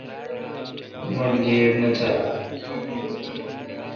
مٹھ گیب نہ تھال۔